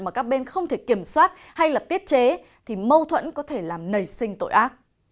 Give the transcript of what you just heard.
mà các bên không thể kiểm soát hay là tiết chế thì mâu thuẫn có thể làm nảy sinh tội ác